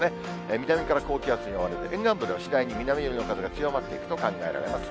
南から高気圧に覆われて、沿岸部では次第に南寄りの風が強まっていくと考えられます。